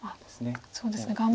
そうですね。